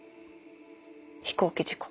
飛行機事故。